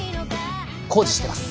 工事してます。